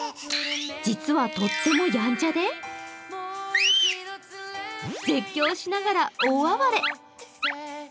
実はとってもやんちゃで絶叫しながら大暴れ。